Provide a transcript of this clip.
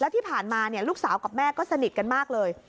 ที่ผ่านมาลูกสาวกับแม่ก็สนิทกันมากเลย